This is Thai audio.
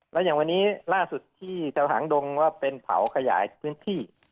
แล้วอย่างวันนี้ล่าสุดที่เจ้าหางดงว่าเป็นเผาขยายพื้นที่